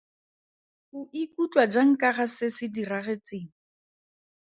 O ikutlwa jang ka ga se se diragetseng?